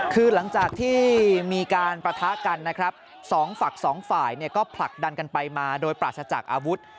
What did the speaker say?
คือหลังจากที่มีการปะทะกันนะครับ๒ฝัก๒ฝ่ายก็ผลักดันกันไปมาโดยปราชจักรอาวุธ